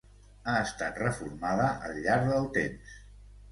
Ha estat reformada al llarg del temps.